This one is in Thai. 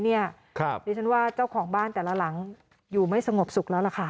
ดิฉันว่าเจ้าของบ้านแต่ละหลังอยู่ไม่สงบสุขแล้วล่ะค่ะ